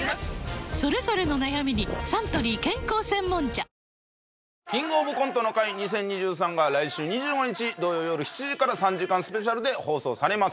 それぞれの悩みにサントリー健康専門茶「キングオブコントの会２０２３」が来週２５日土曜夜７時から３時間スペシャルで放送されます